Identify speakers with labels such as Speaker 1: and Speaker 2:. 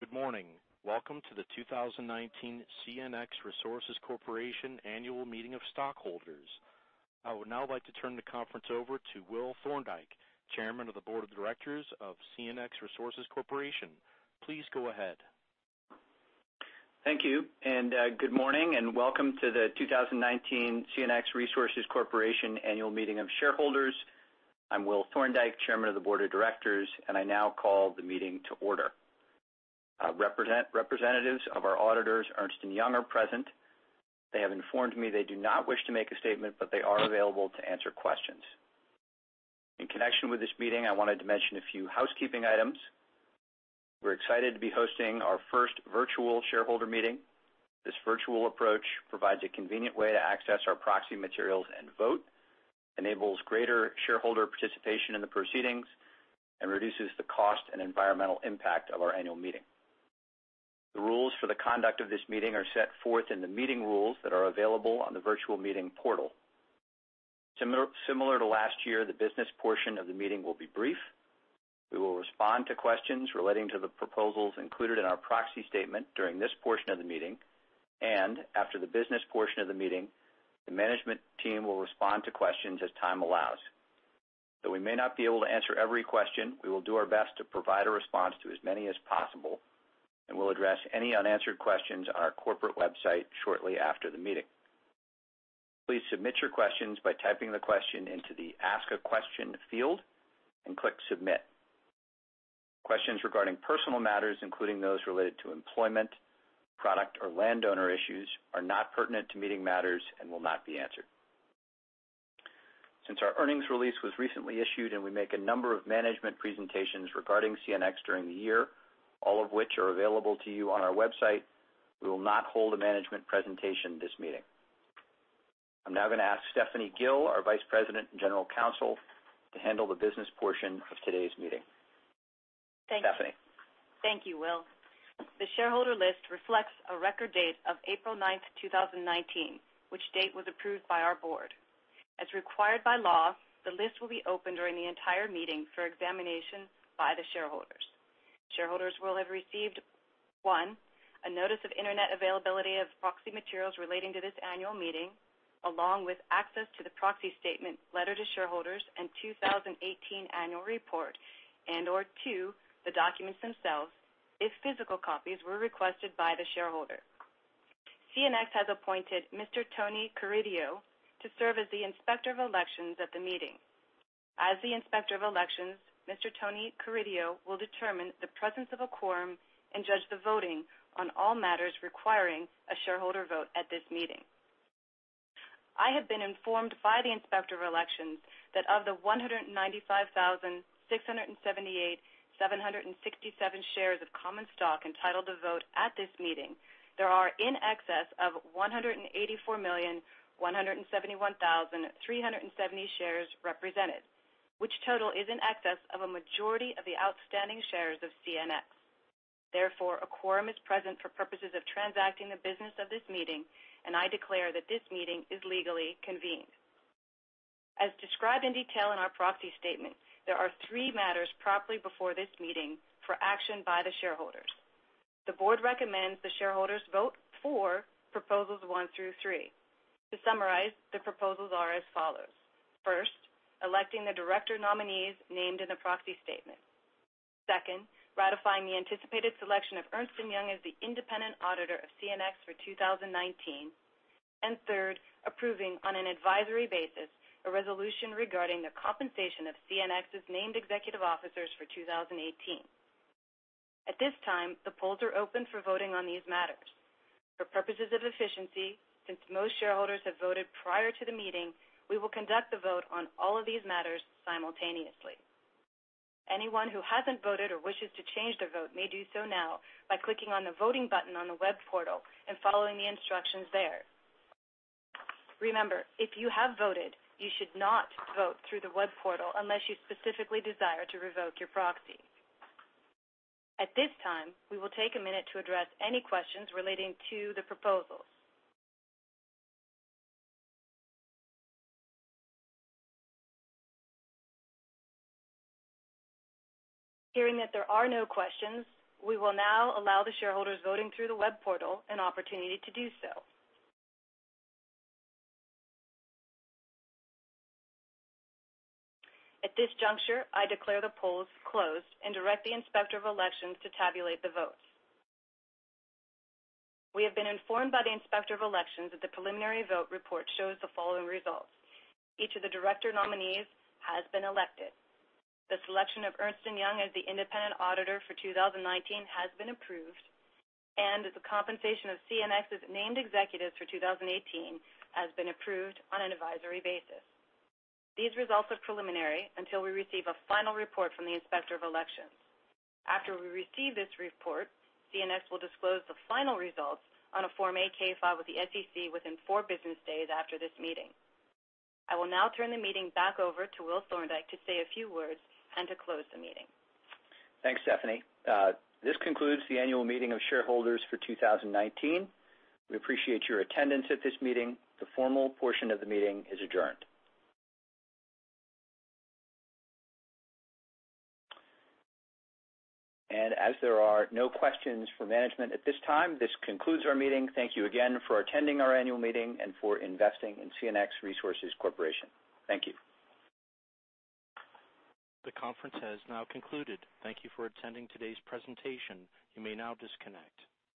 Speaker 1: Good morning. Welcome to the 2019 CNX Resources Corporation annual meeting of stockholders. I would now like to turn the conference over to Will Thorndike, Chairman of the Board of Directors of CNX Resources Corporation. Please go ahead.
Speaker 2: Thank you, and good morning, and welcome to the 2019 CNX Resources Corporation annual meeting of shareholders. I'm Will Thorndike, Chairman of the Board of Directors, and I now call the meeting to order. Representatives of our auditors, Ernst & Young, are present. They have informed me they do not wish to make a statement, but they are available to answer questions. In connection with this meeting, I wanted to mention a few housekeeping items. We're excited to be hosting our first virtual shareholder meeting. This virtual approach provides a convenient way to access our proxy materials and vote, enables greater shareholder participation in the proceedings, and reduces the cost and environmental impact of our annual meeting. The rules for the conduct of this meeting are set forth in the meeting rules that are available on the virtual meeting portal. Similar to last year, the business portion of the meeting will be brief. We will respond to questions relating to the proposals included in our proxy statement during this portion of the meeting, and after the business portion of the meeting, the management team will respond to questions as time allows. Though we may not be able to answer every question, we will do our best to provide a response to as many as possible, and we'll address any unanswered questions on our corporate website shortly after the meeting. Please submit your questions by typing the question into the Ask a Question field and click Submit. Questions regarding personal matters, including those related to employment, product, or landowner issues, are not pertinent to meeting matters and will not be answered. Since our earnings release was recently issued and we make a number of management presentations regarding CNX during the year, all of which are available to you on our website, we will not hold a management presentation this meeting. I'm now going to ask Stephanie Gill, our Vice President and General Counsel, to handle the business portion of today's meeting. Stephanie.
Speaker 3: Thank you, Will. The shareholder list reflects a record date of April 9th, 2019, which date was approved by our board. As required by law, the list will be open during the entire meeting for examination by the shareholders. Shareholders will have received, one, a notice of internet availability of proxy materials relating to this annual meeting, along with access to the proxy statement, letter to shareholders, and 2018 annual report, and/or two, the documents themselves if physical copies were requested by the shareholder. CNX has appointed Mr. Tony Carideo to serve as the Inspector of Elections at the meeting. As the Inspector of Elections, Mr. Tony Carideo will determine the presence of a quorum and judge the voting on all matters requiring a shareholder vote at this meeting. I have been informed by the Inspector of Elections that of the 195,678,767 shares of common stock entitled to vote at this meeting, there are in excess of 184,171,370 shares represented, which total is in excess of a majority of the outstanding shares of CNX. A quorum is present for purposes of transacting the business of this meeting, and I declare that this meeting is legally convened. As described in detail in our proxy statement, there are three matters properly before this meeting for action by the shareholders. The board recommends the shareholders vote for Proposals one through three. To summarize, the proposals are as follows. First, electing the director nominees named in the proxy statement. Second, ratifying the anticipated selection of Ernst & Young as the independent auditor of CNX for 2019. Third, approving, on an advisory basis, a resolution regarding the compensation of CNX's named executive officers for 2018. At this time, the polls are open for voting on these matters. For purposes of efficiency, since most shareholders have voted prior to the meeting, we will conduct the vote on all of these matters simultaneously. Anyone who hasn't voted or wishes to change their vote may do so now by clicking on the voting button on the web portal and following the instructions there. Remember, if you have voted, you should not vote through the web portal unless you specifically desire to revoke your proxy. At this time, we will take a minute to address any questions relating to the proposals. Hearing that there are no questions, we will now allow the shareholders voting through the web portal an opportunity to do so. At this juncture, I declare the polls closed and direct the Inspector of Elections to tabulate the votes. We have been informed by the Inspector of Elections that the preliminary vote report shows the following results. Each of the director nominees has been elected. The selection of Ernst & Young as the independent auditor for 2019 has been approved, and the compensation of CNX's named executives for 2018 has been approved on an advisory basis. These results are preliminary until we receive a final report from the Inspector of Elections. After we receive this report, CNX will disclose the final results on a Form 8-K with the SEC within four business days after this meeting. I will now turn the meeting back over to Will Thorndike to say a few words and to close the meeting.
Speaker 2: Thanks, Stephanie. This concludes the annual meeting of shareholders for 2019. We appreciate your attendance at this meeting. The formal portion of the meeting is adjourned. As there are no questions for management at this time, this concludes our meeting. Thank you again for attending our annual meeting and for investing in CNX Resources Corporation. Thank you.
Speaker 1: The conference has now concluded. Thank you for attending today's presentation. You may now disconnect.